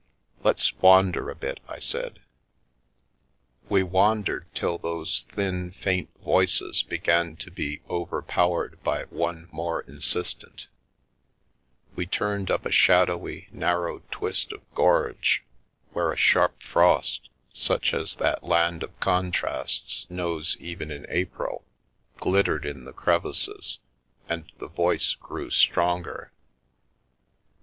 " Let's wander a bit," I said. We wandered till those thin, faint voices began to be overpowered by one more insistent ; we turned up a shad owy, narrow twist of gorge, where a sharp frost, such as that land of contrasts knows even in April, glittered in the crevices, and the voice grew stronger.